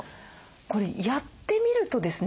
これやってみるとですね